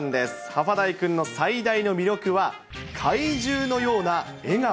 ハファダイくんの最大の魅力は、怪獣のような笑顔。